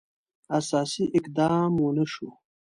اساسي اقدام ونه شو.